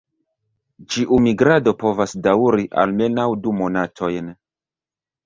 Ĉiu migrado povas daŭri almenaŭ du monatojn.